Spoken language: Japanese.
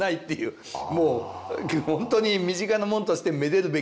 もう本当に身近なもんとしてめでるべきだ。